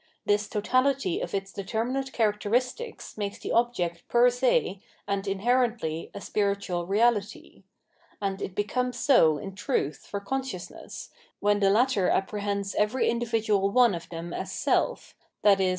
This totality of its determinate characteristics makes the object per se and inherently a spiritual reality; and it becomes so in truth for consciousness, when the latter apprehends every individual one of them as self, i.e.